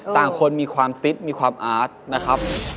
ต่างคนมีความติดมีความอาร์ตนะครับ